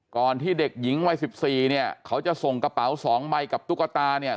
ที่เด็กหญิงวัย๑๔เนี่ยเขาจะส่งกระเป๋าสองใบกับตุ๊กตาเนี่ย